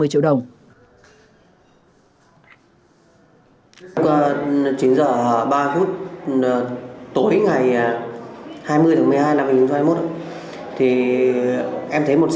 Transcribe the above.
đây là hiện trường vụ việc xảy ra vào sáng ngày một mươi năm tháng một mươi hai tại cổng trường mầm non xối hoa thuộc phường xối hoa thuộc tội trộm cắp tài sản trong xe với tổng giá trị khoảng ba mươi triệu đồng